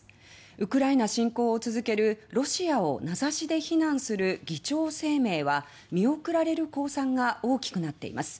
ウクライナ侵攻を続けるロシアを名指しで非難する議長声明は見送られる公算が大きくなっています。